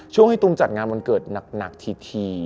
ช่วงให้ตูมจัดงานวันเกิดหนักที